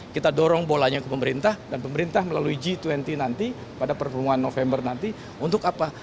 kita dorong bolanya ke pemerintah dan pemerintah melalui g dua puluh nanti pada perkembangan november nanti untuk apa